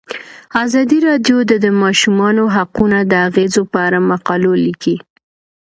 ازادي راډیو د د ماشومانو حقونه د اغیزو په اړه مقالو لیکلي.